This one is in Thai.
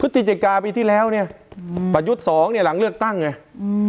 จิกาปีที่แล้วเนี่ยอืมประยุทธ์สองเนี่ยหลังเลือกตั้งไงอืม